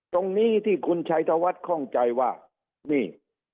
ตรงนี้ที่คุณชัยธวัฒน์คล่องใจว่านี่